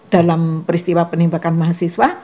dalam peristiwa penembakan mahasiswa